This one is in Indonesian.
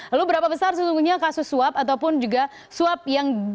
lalu berapa besar sesungguhnya kasus suap ataupun juga suap yang